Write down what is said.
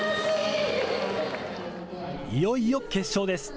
いよいよ決勝です。